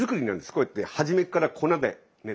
こうやって初めから粉で練るんです。